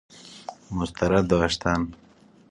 مسترد داشتن